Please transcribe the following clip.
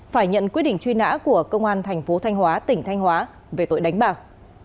phải nhận quyết định truy nã của công an tp thanh hóa tỉnh thanh hóa về tội đánh bạc